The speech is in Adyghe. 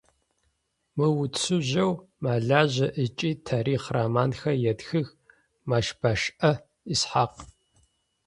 Мыуцужьэу мэлажьэ ыкӏи тарихъ романхэр етхых Мэщбэшӏэ Исхьакъ.